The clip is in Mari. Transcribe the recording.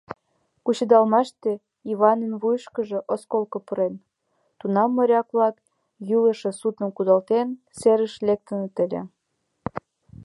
Кучедалмаште Иванын вуйышкыжо осколко пернен, тунам моряк-влак йӱлышӧ судным кудалтен, серыш лектыныт ыле.